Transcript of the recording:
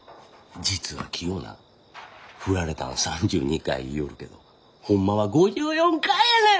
実はキヨな振られたん３２回言いよるけどホンマは５４回やねん！